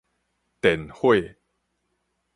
電火